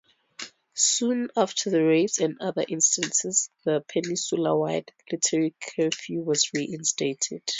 Soon after the rapes and other instances, the peninsula wide military curfew was reinstated.